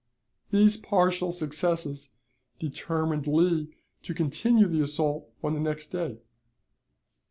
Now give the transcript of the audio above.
These partial successes determined Lee to continue the assault on the next day.